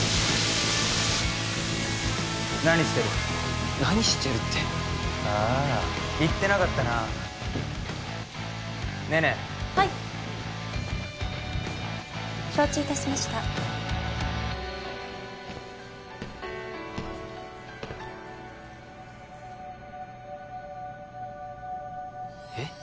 何してる何してるってああ言ってなかったな寧々はい承知いたしましたえっ？